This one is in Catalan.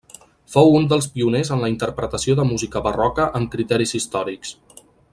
Fou un dels pioners en la interpretació de música barroca amb criteris històrics.